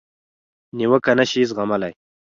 نیوکه نشي زغملای.